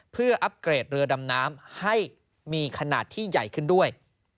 เพื่ออัปเกรดเรือดำน้ำให้มีขนาดที่ใหญ่ขึ้นด้วย